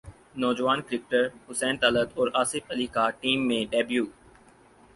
نوجوان کرکٹر حسین طلعت اور اصف علی کا ٹی میں ڈیبیو